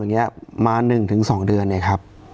อย่างนี้มา๑๒เดือนเนี่ยครับ